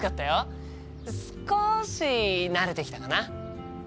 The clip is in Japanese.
少し慣れてきたかな。